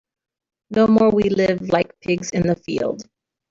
No more we live like pigs in the field.